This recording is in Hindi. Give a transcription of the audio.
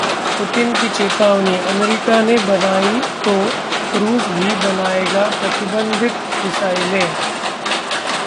पुतिन की चेतावनी, अमेरिका ने बनाई तो रूस भी बनाएगा प्रतिबंधित मिसाइलें